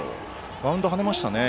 バウンド、跳ねましたね。